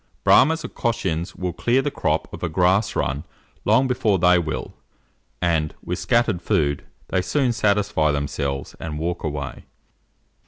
Brahmas or Cochins will clear the crop of a grass run long before they will, and, with scattered food, they soon satisfy themselves and walk away.